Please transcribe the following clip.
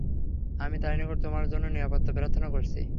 আমি তার নিকট তোমার জন্য নিরাপত্তা প্রার্থনা করেছি।